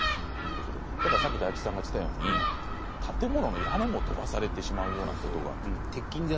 ただ大吉さんが言っていたように建物の屋根も飛ばされてしまうようなときは。